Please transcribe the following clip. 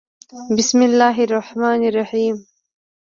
بسم الله الرحمن الرحیم